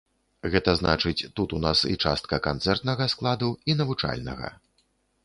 Гэта значыць тут у нас і частка канцэртнага складу, і навучальнага.